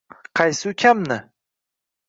Qaysi ukamni?